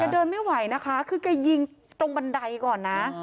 เดินไม่ไหวนะคะคือแกยิงตรงบันไดก่อนนะ